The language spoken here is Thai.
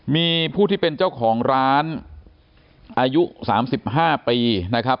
มีผู้ที่เป็นเจ้าของร้านอายุ๓๕ปีนะครับ